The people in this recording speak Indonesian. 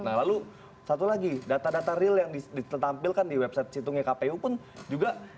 nah lalu satu lagi data data real yang ditampilkan di website situngnya kpu pun juga